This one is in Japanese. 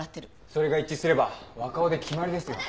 それが一致すれば若尾で決まりですよ。